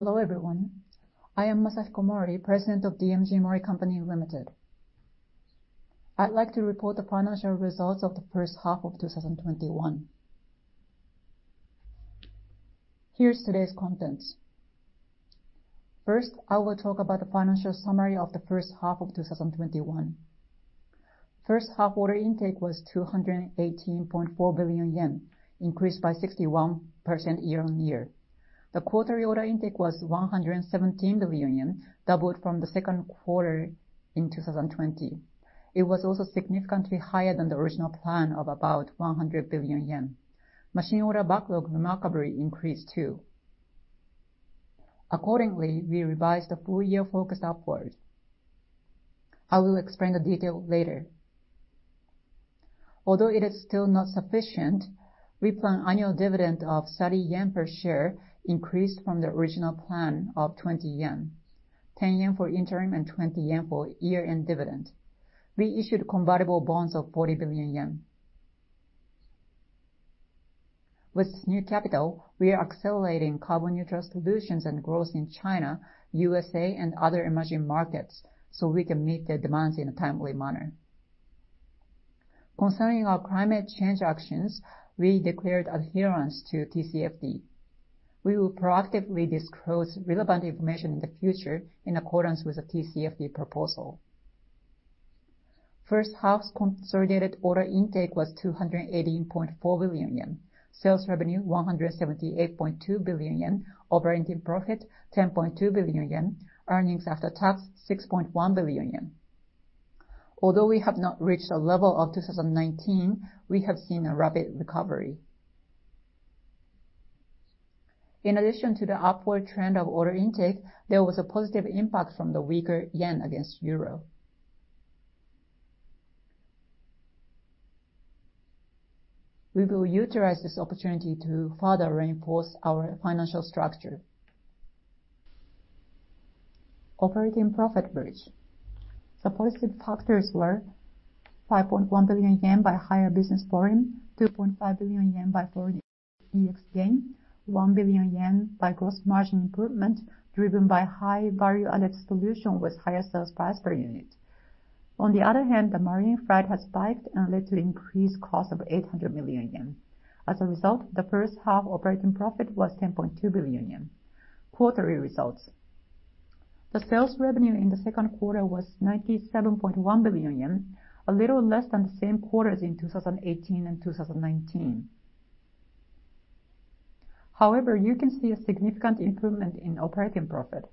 Hello, everyone. I am Masahiko Mori, President of DMG Mori Company Limited. I'd like to report the financial results of the first half of 2021. Here's today's contents. First, I will talk about the financial summary of the first half of 2021. First half order intake was 218.4 billion yen, increased by 61% year-on-year. The quarterly order intake was 117 billion yen, doubled from the Q2 in 2020. It was also significantly higher than the original plan of about 100 billion yen. Machine order backlog remarkably increased, too. Accordingly, we revised the full year forecast upwards. I will explain the detail later. Although it is still not sufficient, we plan annual dividend of 30 yen per share, increased from the original plan of 20 yen. 10 yen for interim and 20 yen for year-end dividend. We issued convertible bonds of 40 billion yen. With new capital, we are accelerating carbon neutral solutions and growth in China, U.S.A., and other emerging markets so we can meet the demands in a timely manner. Concerning our climate change actions, we declared adherence to TCFD. We will proactively disclose relevant information in the future in accordance with the TCFD proposal. First half's consolidated order intake was 218.4 billion yen. Sales revenue, 178.2 billion yen. Operating profit, 10.2 billion yen. Earnings after tax, 6.1 billion yen. Although we have not reached the level of 2019, we have seen a rapid recovery. In addition to the upward trend of order intake, there was a positive impact from the weaker yen against euro. We will utilize this opportunity to further reinforce our financial structure. Operating profit bridge. The positive factors were 5.1 billion yen by higher business volume, 2.5 billion yen by foreign exchange gain, 1 billion yen by gross margin improvement, driven by high value-added solution with higher sales price per unit. The marine freight has spiked and led to increased cost of 800 million yen. The first half operating profit was 10.2 billion yen. Quarterly results. The sales revenue in the Q2 was 97.1 billion yen, a little less than the same quarters in 2018 and 2019. You can see a significant improvement in operating profit.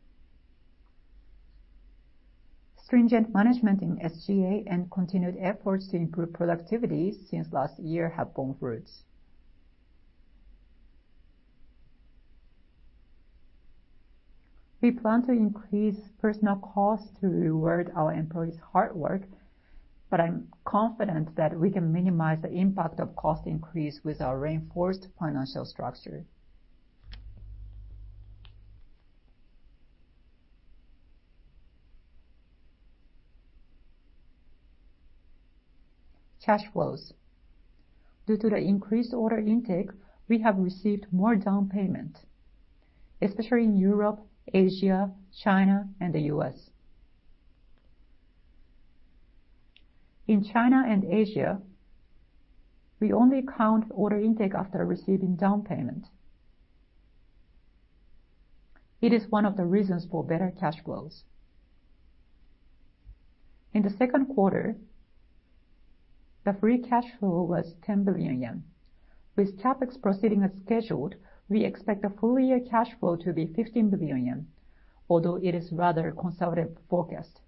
Stringent management in SG&A and continued efforts to improve productivity since last year have borne fruit. We plan to increase personnel costs to reward our employees' hard work, but I'm confident that we can minimize the impact of cost increase with our reinforced financial structure. Cash flows. Due to the increased order intake, we have received more down payment, especially in Europe, Asia, China, and the U.S. In China and Asia, we only count order intake after receiving down payment. It is one of the reasons for better cash flows. In the Q2, the free cash flow was 10 billion yen. With CapEx proceeding as scheduled, we expect the full year cash flow to be 15 billion yen, although it is rather conservative forecast.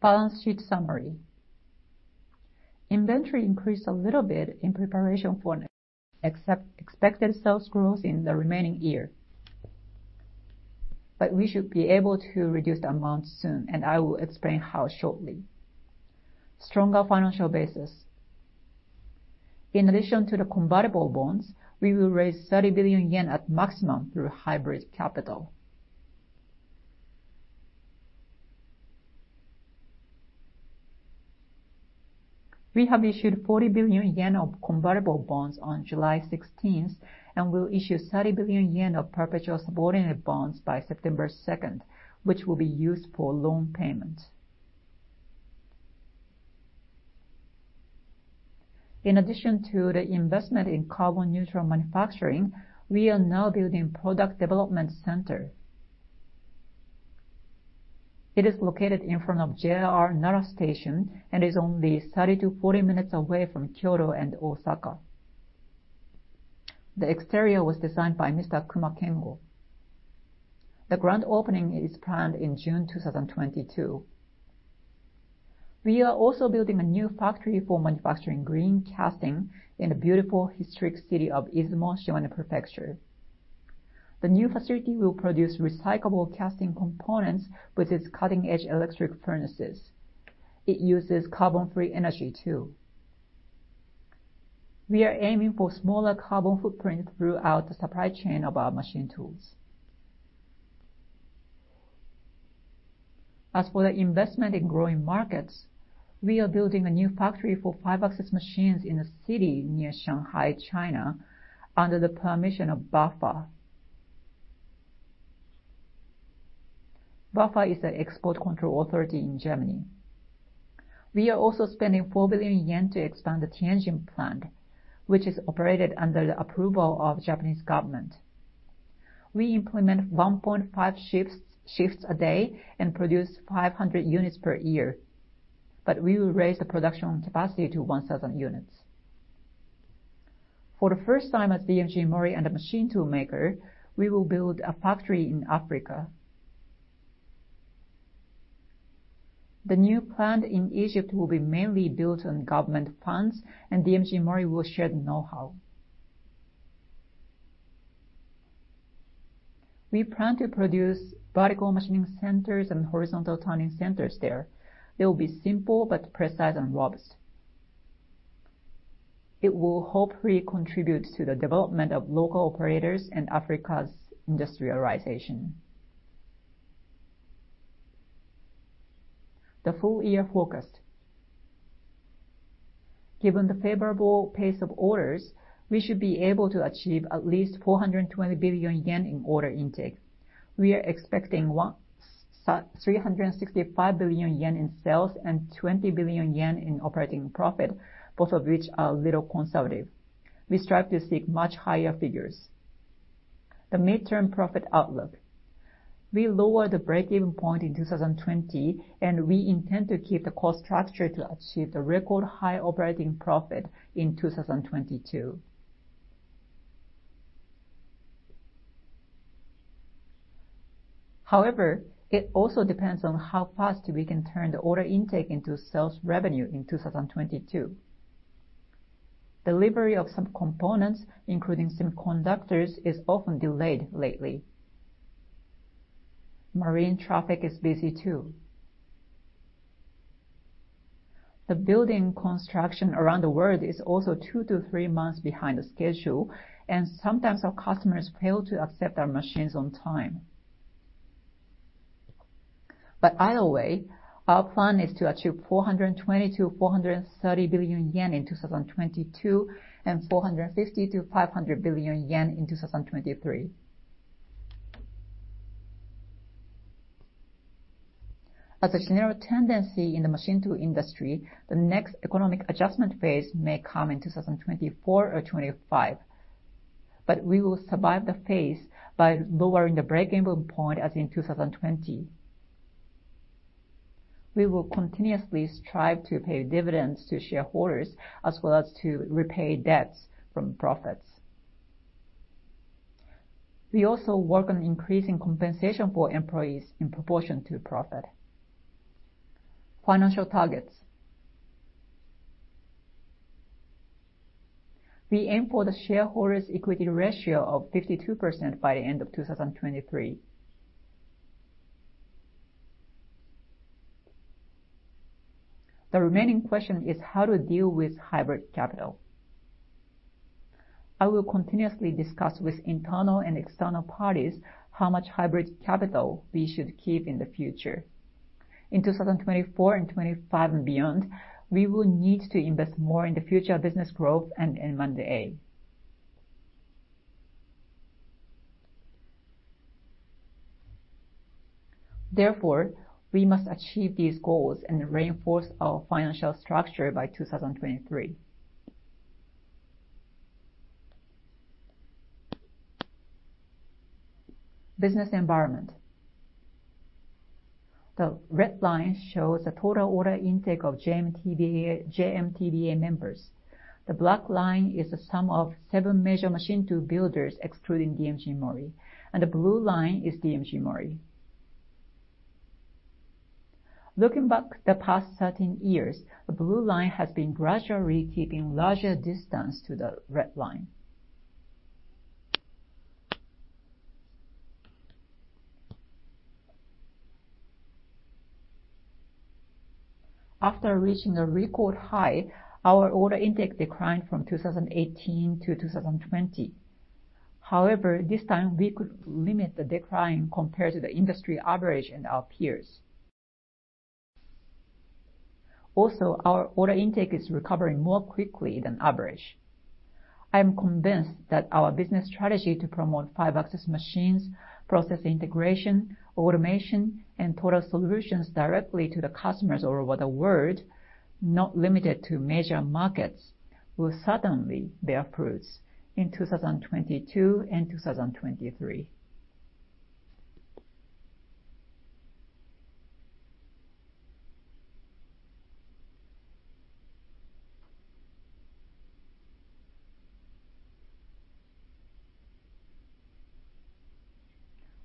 Balance sheet summary. Inventory increased a little bit in preparation for expected sales growth in the remaining year. We should be able to reduce the amount soon, and I will explain how shortly. Stronger financial basis. In addition to the convertible bonds, we will raise 30 billion yen at maximum through hybrid capital. We have issued 40 billion yen of convertible bonds on July 16th and will issue 30 billion yen of perpetual subordinate bonds by September 2nd, which will be used for loan payment. In addition to the investment in carbon neutral manufacturing, we are now building product development center. It is located in front of JR Nara Station and is only 30-40 minutes away from Kyoto and Osaka. The exterior was designed by Mr. Kengo Kuma. The grand opening is planned in June 2022. We are also building a new factory for manufacturing green casting in the beautiful historic city of Izumo, Shimane Prefecture. The new facility will produce recyclable casting components with its cutting-edge electric furnaces. It uses carbon-free energy, too. We are aiming for smaller carbon footprint throughout the supply chain of our machine tools. As for the investment in growing markets, we are building a new factory for five axis machines in a city near Shanghai, China, under the permission of BAFA. BAFA is the export control authority in Germany. We are also spending 4 billion yen to expand the Tianjin plant, which is operated under the approval of Japanese government. We implement 1.5 shifts a day and produce 500 units per year, but we will raise the production capacity to 1,000 units. For the first time as DMG Mori and a machine tool maker, we will build a factory in Africa. The new plant in Egypt will be mainly built on government funds, and DMG Mori will share the knowhow. We plan to produce vertical machining centers and horizontal turning centers there. They will be simple, but precise and robust. It will hopefully contribute to the development of local operators and Africa's industrialization. The full year forecast. Given the favorable pace of orders, we should be able to achieve at least 420 billion yen in order intake. We are expecting 365 billion yen in sales and 20 billion yen in operating profit, both of which are a little conservative. We strive to seek much higher figures. The midterm profit outlook. We lowered the break-even point in 2020, and we intend to keep the cost structure to achieve the record high operating profit in 2022. However, it also depends on how fast we can turn the order intake into sales revenue in 2022. Delivery of some components, including semiconductors, is often delayed lately. Marine traffic is busy, too. The building construction around the world is also two to three months behind the schedule, sometimes our customers fail to accept our machines on time. Either way, our plan is to achieve 420 billion-430 billion yen in 2022 and 450 billion-500 billion yen in 2023. As a general tendency in the machine tool industry, the next economic adjustment phase may come in 2024 or 2025, we will survive the phase by lowering the break-even point as in 2020. We will continuously strive to pay dividends to shareholders as well as to repay debts from profits. We also work on increasing compensation for employees in proportion to profit. Financial targets. We aim for the shareholders' equity ratio of 52% by the end of 2023. The remaining question is how to deal with hybrid capital. I will continuously discuss with internal and external parties how much hybrid capital we should keep in the future. In 2024 and 2025 and beyond, we will need to invest more in the future business growth and in M&A. We must achieve these goals and reinforce our financial structure by 2023. Business environment. The red line shows the total order intake of JMTBA members. The black line is the sum of seven major machine tool builders, excluding DMG Mori, and the blue line is DMG Mori. Looking back the past 13 years, the blue line has been gradually keeping larger distance to the red line. After reaching a record high, our order intake declined from 2018-2020. This time we could limit the decline compared to the industry average and our peers. Our order intake is recovering more quickly than average. I am convinced that our business strategy to promote five axis machines, process integration, automation, and total solutions directly to the customers all over the world, not limited to major markets, will certainly bear fruits in 2022 and 2023.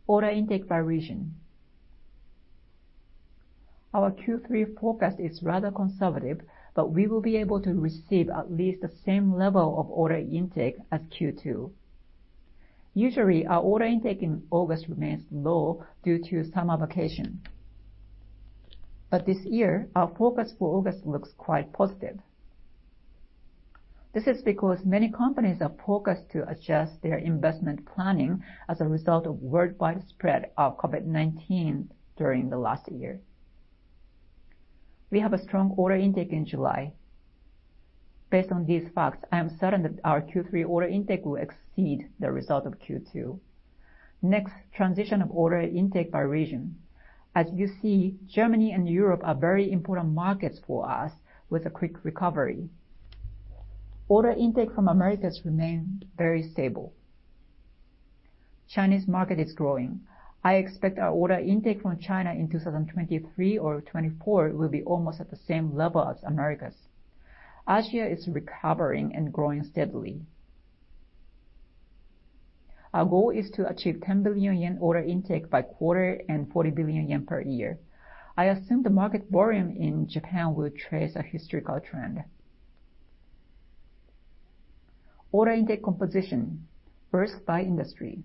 Order intake by region. Our Q3 forecast is rather conservative, but we will be able to receive at least the same level of order intake as Q2. Usually, our order intake in August remains low due to summer vacation. This year, our forecast for August looks quite positive. This is because many companies are focused to adjust their investment planning as a result of worldwide spread of COVID-19 during the last year. We have a strong order intake in July. Based on these facts, I am certain that our Q3 order intake will exceed the result of Q2. Next, transition of order intake by region. As you see, Germany and Europe are very important markets for us with a quick recovery. Order intake from Americas remain very stable. Chinese market is growing. I expect our order intake from China in 2023 or 2024 will be almost at the same level as Americas. Asia is recovering and growing steadily. Our goal is to achieve 10 billion yen order intake by quarter and 40 billion yen per year. I assume the market volume in Japan will trace a historical trend. Order intake composition. First, by industry.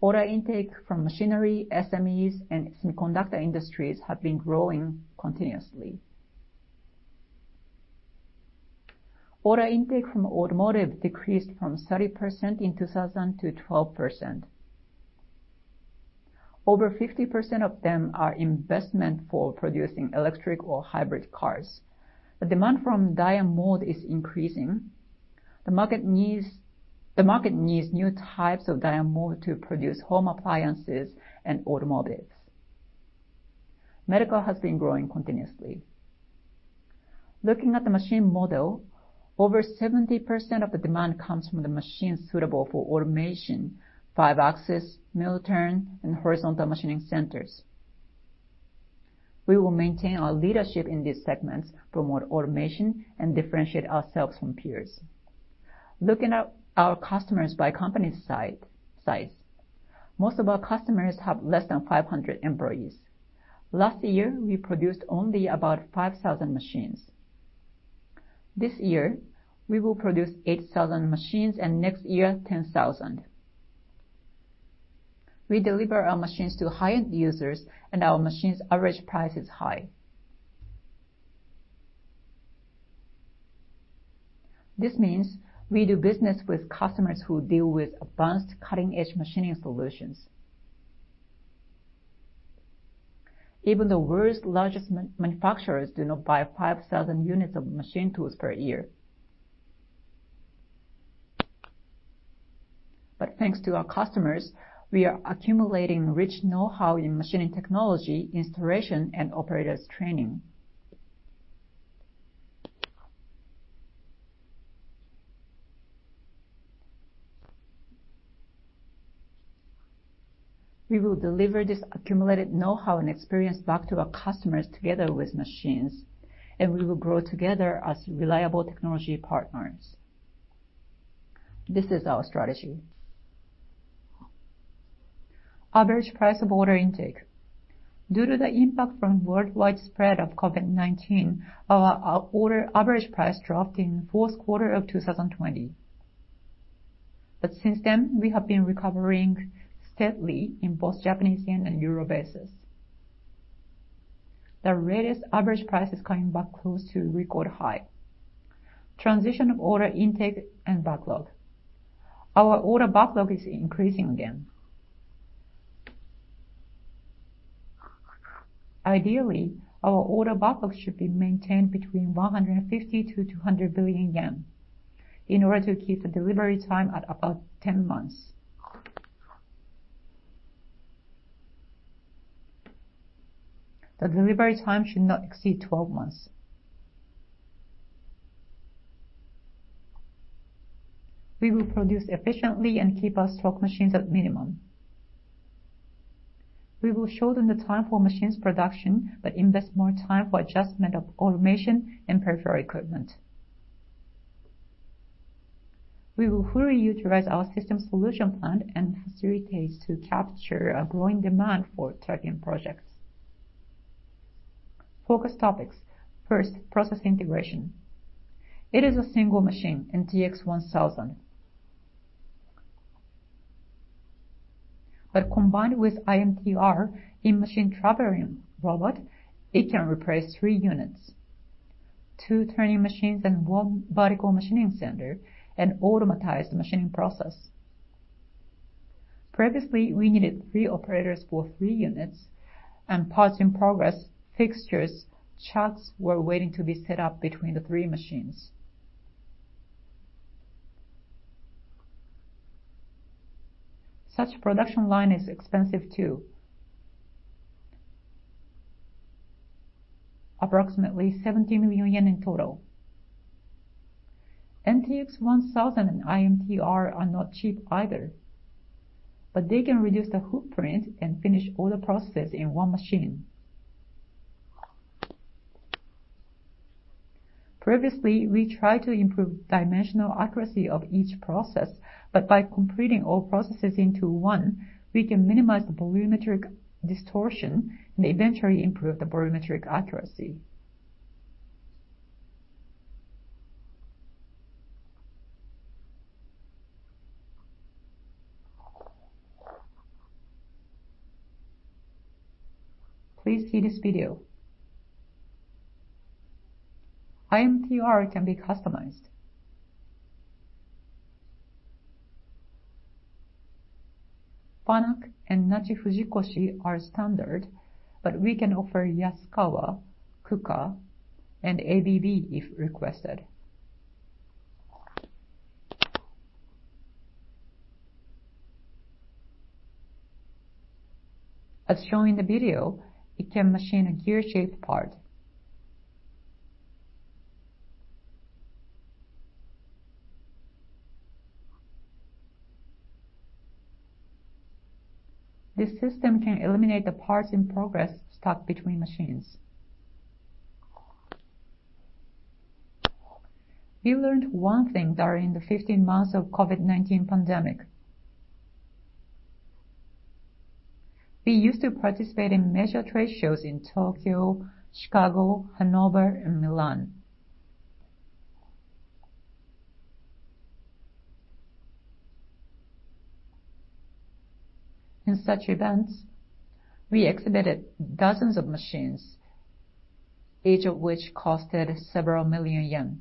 Order intake from machinery, SMEs, and semiconductor industries have been growing continuously. Order intake from automotive decreased from 30% in 2000 to 12%. Over 50% of them are investment for producing electric or hybrid cars. The demand from die and mold is increasing. The market needs new types of die and mold to produce home appliances and automotives. Medical has been growing continuously. Looking at the machine model, over 70% of the demand comes from the machine suitable for automation, five-axis, mill-turn, and horizontal machining centers. We will maintain our leadership in these segments, promote automation, and differentiate ourselves from peers. Looking at our customers by company size, most of our customers have less than 500 employees. Last year, we produced only about 5,000 machines. This year, we will produce 8,000 machines, and next year, 10,000. We deliver our machines to high-end users, and our machines' average price is high. This means we do business with customers who deal with advanced cutting-edge machining solutions. Even the world's largest manufacturers do not buy 5,000 units of machine tools per year. Thanks to our customers, we are accumulating rich know-how in machining technology, installation, and operators' training. We will deliver this accumulated know-how and experience back to our customers together with machines, and we will grow together as reliable technology partners. This is our strategy. Average price of order intake. Due to the impact from worldwide spread of COVID-19, our order average price dropped in the Q4 of 2020. Since then, we have been recovering steadily in both Japanese yen and euro basis. The latest average price is coming back close to record high. Transition of order intake and backlog. Our order backlog is increasing again. Ideally, our order backlog should be maintained between 150 billion-200 billion yen in order to keep the delivery time at about 10 months. The delivery time should not exceed 12 months. We will produce efficiently and keep our stock machines at minimum. We will shorten the time for machine production, but invest more time for adjustment of automation and peripheral equipment. We will fully utilize our system solution plant and facilities to capture a growing demand for turnkey projects. Focus topics. First, process integration. It is a single machine, NTX 1000. Combined with iMTR, in-machine traveling robot, it can replace three units, two turning machines and one vertical machining center, and automatize the machining process. Previously, we needed three operators for three units, and parts in progress, fixtures, chucks were waiting to be set up between the three machines. Such production line is expensive, too. Approximately JPY 70 million in total. NTX 1000 and iMTR are not cheap either. They can reduce the footprint and finish all the processes in one machine. Previously, we tried to improve dimensional accuracy of each process, but by completing all processes into one, we can minimize the volumetric distortion and eventually improve the volumetric accuracy. Please see this video. IMTR can be customized. Fanuc and Nachi-Fujikoshi are standard, but we can offer Yaskawa, KUKA, and ABB if requested. As shown in the video, it can machine a gear-shaped part. This system can eliminate the parts-in-progress stuck between machines. We learned one thing during the 15 months of COVID-19 pandemic. We used to participate in major trade shows in Tokyo, Chicago, Hanover, and Milan. In such events, we exhibited dozens of machines, each of which cost several million JPY.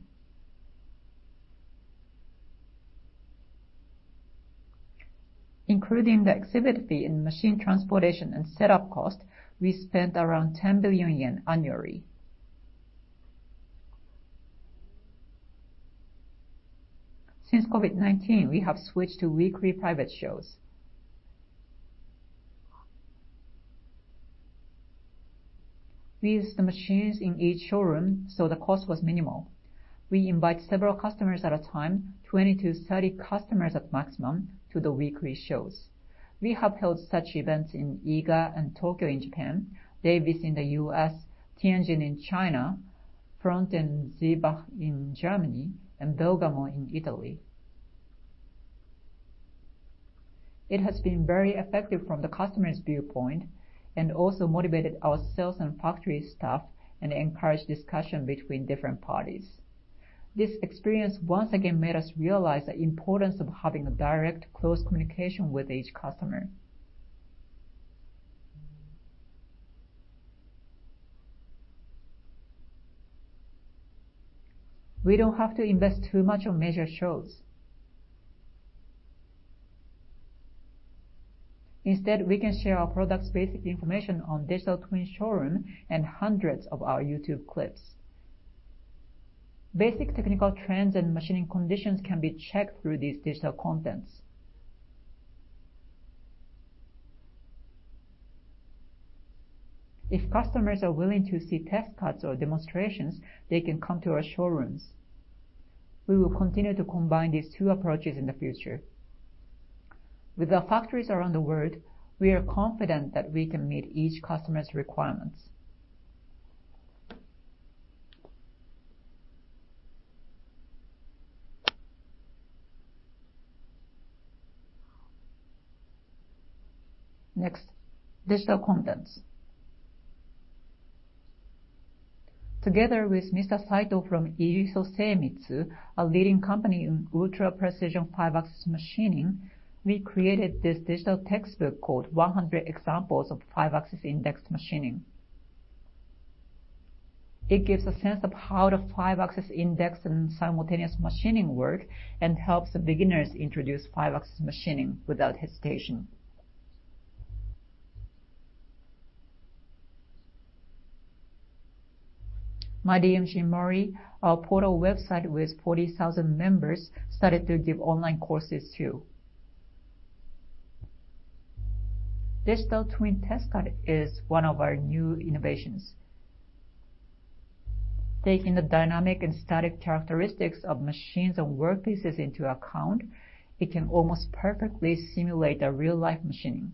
Including the exhibit fee and machine transportation and setup cost, we spent around 10 billion yen annually. Since COVID-19, we have switched to weekly private shows. We used the machines in each showroom, so the cost was minimal. We invite several customers at a time, 20 to 30 customers at maximum, to the weekly shows. We have held such events in Iga and Tokyo in Japan, Davis in the U.S., Tianjin in China, Pfronten and Seebach in Germany, and Bergamo in Italy. It has been very effective from the customer's viewpoint, and also motivated our sales and factory staff and encouraged discussion between different parties. This experience once again made us realize the importance of having a direct, close communication with each customer. We don't have to invest too much on major shows. Instead, we can share our products' basic information on digital twin showroom and hundreds of our YouTube clips. Basic technical trends and machining conditions can be checked through these digital contents. If customers are willing to see test cuts or demonstrations, they can come to our showrooms. We will continue to combine these two approaches in the future. With our factories around the world, we are confident that we can meet each customer's requirements. Next, digital contents. Together with Mr. Saito from Iriso Seimitsu, a leading company in ultra-precision five axis machining, we created this digital textbook called "100 Examples of Five Axis Indexed Machining." It gives a sense of how the five axis index and simultaneous machining work and helps the beginners introduce five axis machining without hesitation. my DMG MORI, our portal website with 40,000 members, started to give online courses, too. Digital Twin Test Cut is one of our new innovations. Taking the dynamic and static characteristics of machines and workpieces into account, it can almost perfectly simulate a real-life machining.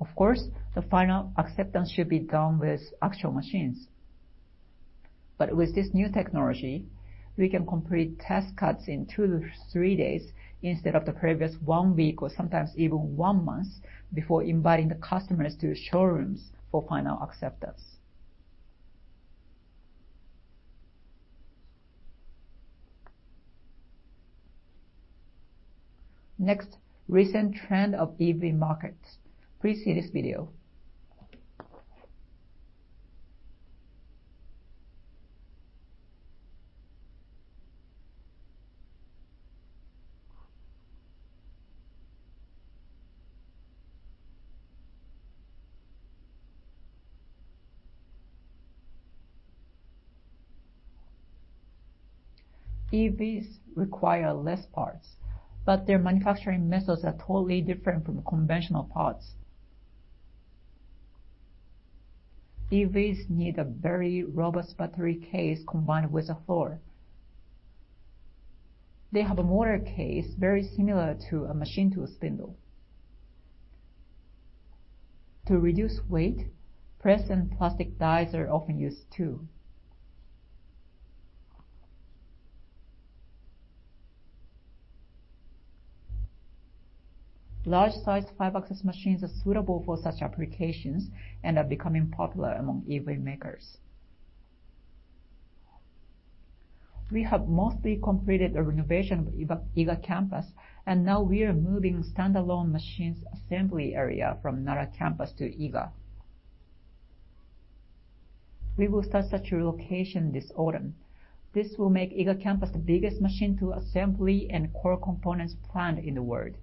Of course, the final acceptance should be done with actual machines. With this new technology, we can complete test cuts in two to three days instead of the previous one week or sometimes even one month before inviting the customers to showrooms for final acceptance. Next, recent trend of EV markets. Please see this video. EVs require less parts, but their manufacturing methods are totally different from conventional parts. EVs need a very robust battery case combined with a floor. They have a motor case very similar to a machine tool spindle. To reduce weight, press and plastic dies are often used, too. Large-sized five-axis machines are suitable for such applications and are becoming popular among EV makers. We have mostly completed the renovation of Iga campus, and now we are moving standalone machines assembly area from Nara campus to Iga. We will start such relocation this autumn. This will make Iga campus the biggest machine tool assembly and core components plant in the world.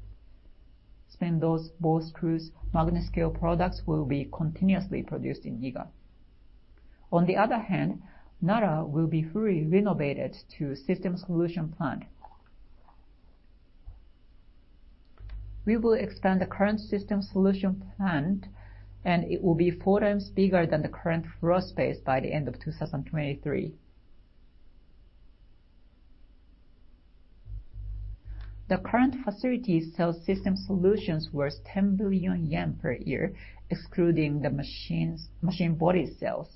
Spindles, ball screws, Magnescale products will be continuously produced in Iga. On the other hand, Nara will be fully renovated to system solution plant. We will expand the current system solution plant, and it will be 4x bigger than the current floor space by the end of 2023. The current facility sells system solutions worth 10 billion yen per year, excluding the machine body sales.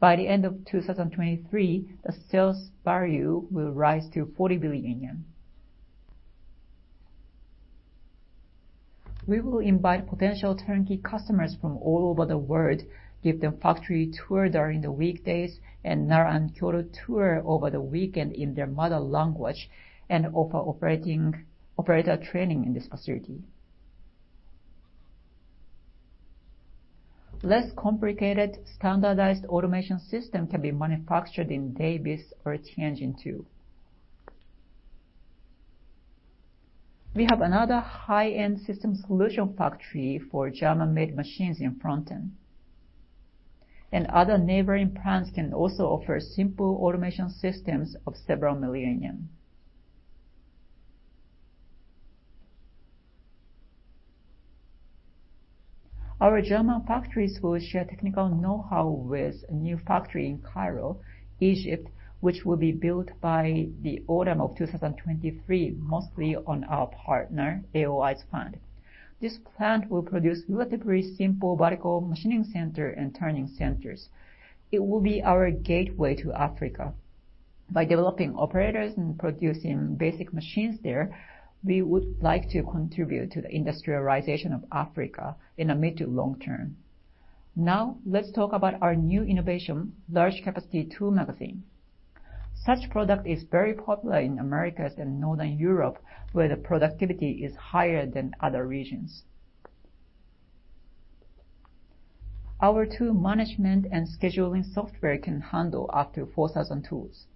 By the end of 2023, the sales value will rise to 40 billion yen. We will invite potential turnkey customers from all over the world, give them factory tour during the weekdays, and Nara and Kyoto tour over the weekend in their mother language, and offer operator training in this facility. Less complicated, standardized automation system can be manufactured in Davis or Tianjin, too. We have another high-end system solution factory for German-made machines in Pfronten. Other neighboring plants can also offer simple automation systems of several million. Our German factories will share technical knowhow with a new factory in Cairo, Egypt, which will be built by the autumn of 2023, mostly on our partner AOI's fund. This plant will produce relatively simple vertical machining center and turning centers. It will be our gateway to Africa. By developing operators and producing basic machines there, we would like to contribute to the industrialization of Africa in the mid to long term. Now, let's talk about our new innovation, large capacity tool magazine. Such product is very popular in Americas and Northern Europe, where the productivity is higher than other regions. Our tool management and scheduling software can handle up to 4,000 tools.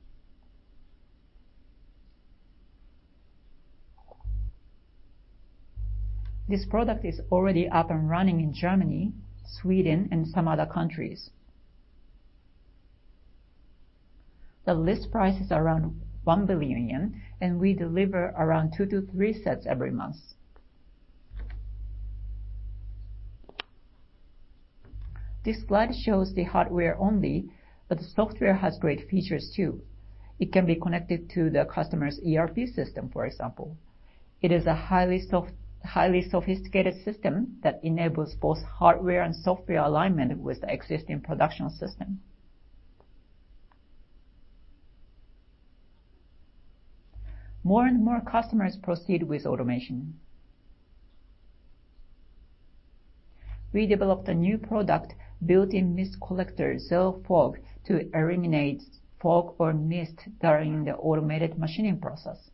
This product is already up and running in Germany, Sweden, and some other countries. The list price is around 1 billion yen. We deliver around two to three sets every month. This slide shows the hardware only. The software has great features, too. It can be connected to the customer's ERP system, for example. It is a highly sophisticated system that enables both hardware and software alignment with the existing production system. More and more customers proceed with automation. We developed a new product, built-in mist collector, zeroFOG, to eliminate fog or mist during the automated machining process.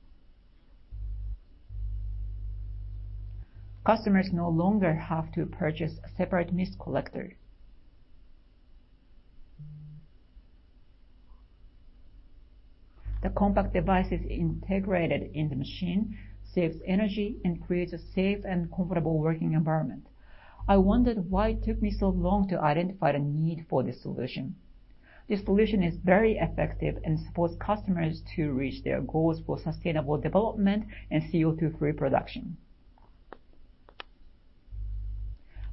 Customers no longer have to purchase a separate mist collector. The compact device is integrated in the machine, saves energy, and creates a safe and comfortable working environment. I wondered why it took me so long to identify the need for this solution. This solution is very effective and supports customers to reach their goals for sustainable development and CO2-free production.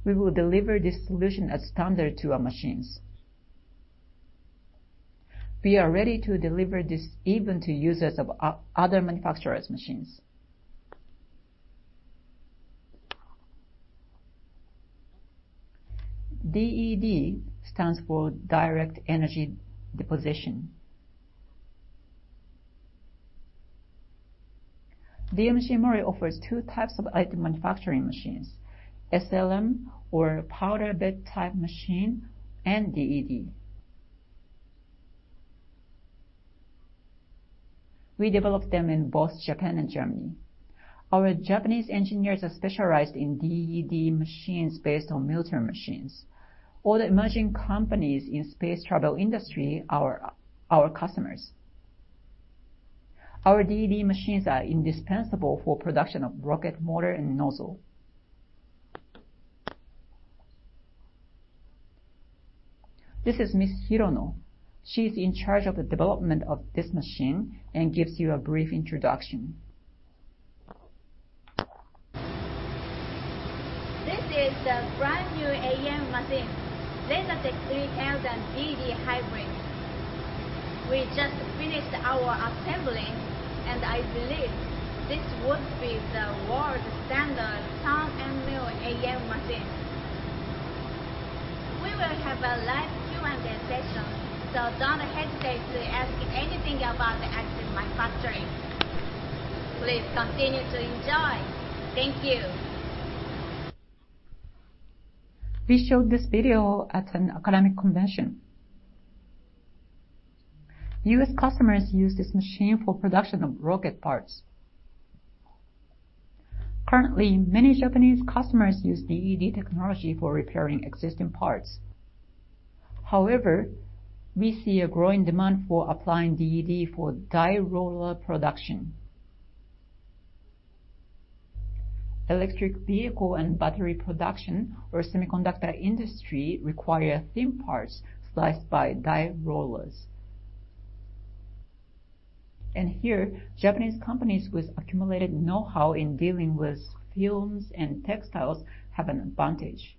We will deliver this solution as standard to our machines. We are ready to deliver this even to users of other manufacturers' machines. DED stands for direct energy deposition. DMG Mori offers two types of additive manufacturing machines, SLM or powder bed-type machine, and DED. We developed them in both Japan and Germany. Our Japanese engineers are specialized in DED machines based on mil machines. All the emerging companies in space travel industry are our customers. Our DED machines are indispensable for production of rocket motor and nozzle. This is Ms. Hirono. She's in charge of the development of this machine and gives you a brief introduction. This is the brand-new AM machine, LASERTEC 3000 DED hybrid. We just finished our assembly. I believe this would be the world's standard turn-mill AM machine. We will have a live Q&A session. Don't hesitate to ask anything about additive manufacturing. Please continue to enjoy. Thank you. We showed this video at an academic convention. U.S. customers use this machine for production of rocket parts. Currently, many Japanese customers use DED technology for repairing existing parts. However, we see a growing demand for applying DED for die roller production. Electric vehicle and battery production or semiconductor industry require thin parts sliced by die rollers. Here, Japanese companies with accumulated know-how in dealing with films and textiles have an advantage.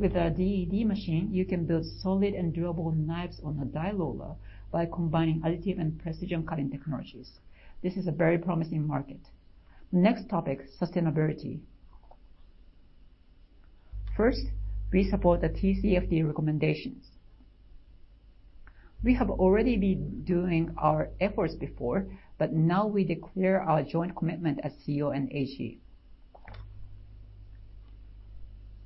With a DED machine, you can build solid and durable knives on a die roller by combining additive and precision cutting technologies. This is a very promising market. Next topic, sustainability. First, we support the TCFD recommendations. We have already been doing our efforts before, but now we declare our joint commitment as Co. and AG.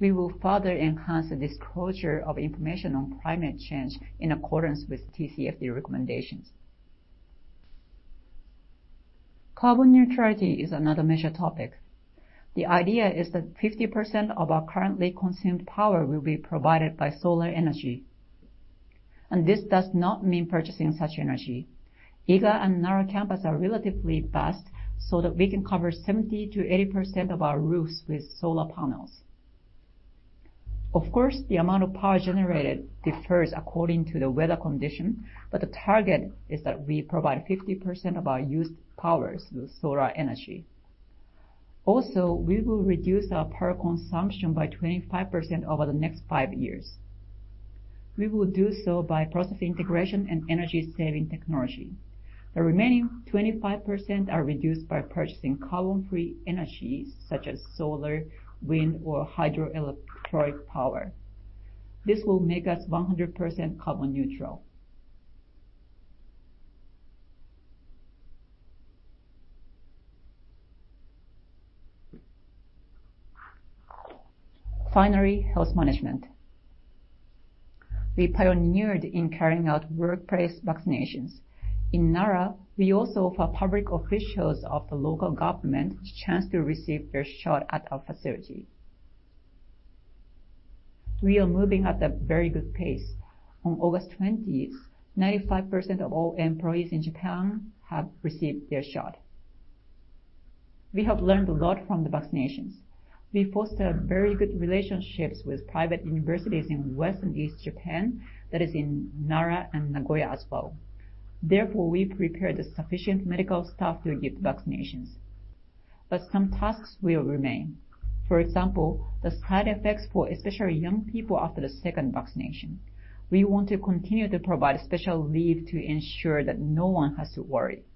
We will further enhance the disclosure of information on climate change in accordance with TCFD recommendations. Carbon neutrality is another major topic. The idea is that 50% of our currently consumed power will be provided by solar energy, and this does not mean purchasing such energy. Iga and Nara campus are relatively vast, so that we can cover 70%-80% of our roofs with solar panels. Of course, the amount of power generated differs according to the weather condition, but the target is that we provide 50% of our used power through solar energy. We will reduce our power consumption by 25% over the next five years. We will do so by process integration and energy-saving technology. The remaining 25% are reduced by purchasing carbon-free energy, such as solar, wind, or hydroelectric power. This will make us 100% carbon neutral. Health management. We pioneered in carrying out workplace vaccinations. In Nara, we also offer public officials of the local government the chance to receive their shot at our facility. We are moving at a very good pace. On August 20th, 95% of all employees in Japan have received their shot. We have learned a lot from the vaccinations. We foster very good relationships with private universities in West and East Japan, that is in Nara and Nagoya as well. We prepared the sufficient medical staff to give the vaccinations. Some tasks will remain, for example, the side effects for especially young people after the second vaccination. We want to continue to provide special leave to ensure that no one has to worry.